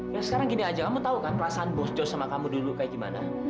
ya sekarang gini aja kamu tau kan perasaan bosco sama kamu dulu kayak gimana